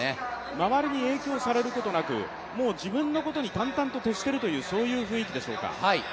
周りに影響されることなく、自分のことに淡々と徹しているということでしょうか？